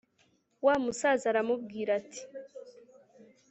Wa musaza aramubwira ati: